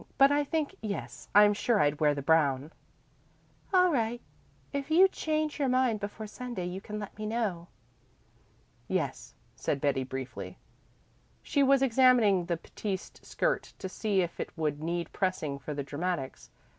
But I think yes, I'm sure I'd wear the brown." "All right. If you change your mind before Sunday you can let me know." "Yes," said Betty briefly. She was examining the batiste skirt to see if it would need pressing for the dramatics.